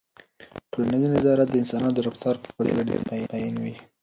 ټولنیز نظریات د انسانانو د رفتار په پرتله ډیر مطمئن وي.